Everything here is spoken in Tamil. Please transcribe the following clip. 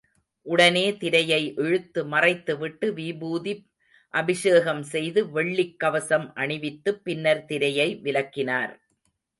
உடனே திரையை இழுத்து மறைத்து விட்டு விபூதி அபிஷேகம் செய்து வெள்ளிக் கவசம் அணிவித்துப் பின்னர் திரையை விலக்கினார்.